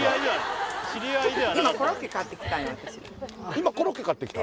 今コロッケ買ってきた？